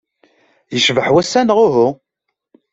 Yecbeḥ wass-a, neɣ uhu?